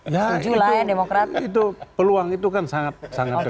ya itu peluang itu kan sangat sangat penting